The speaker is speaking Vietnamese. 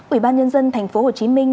ủy ban nhân dân thành phố hồ chí minh